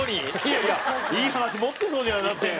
いやいやいい話持ってそうじゃないだって。